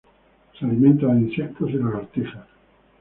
Se alimenta de insectos y lagartijas.